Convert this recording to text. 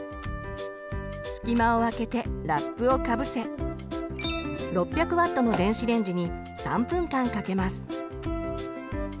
隙間をあけてラップをかぶせ６００Ｗの電子レンジに３分間かけます。